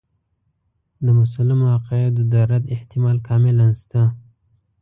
د مسلمو عقایدو د رد احتمال کاملاً شته.